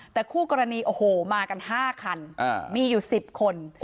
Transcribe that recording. แต่คู่กรณีโอ้โหมากัน๕คันมีอยู่๑๐คน